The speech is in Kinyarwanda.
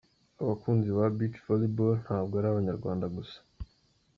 Abakunzi ba Beach-Volleyball ntabwo ari abanyarwanda gusa.